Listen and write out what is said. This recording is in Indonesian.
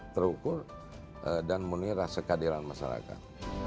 terukur dan menira sekadiran masyarakat